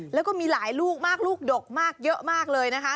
แล้วก็มีหลายลูกมากลูกดกมากเยอะมากเลยนะคะ